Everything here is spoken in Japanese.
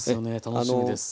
楽しみです。